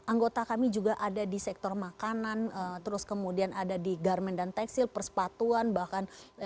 anggota kami juga ada di sektor makanan terus kemudian ada di garmen dan tekstil persepatuan bahkan